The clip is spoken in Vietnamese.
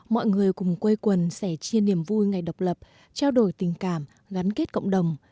mọi người cùng quây quần sẻ chia niềm vui ngày độc lập trao đổi tình cảm gắn kết cộng đồng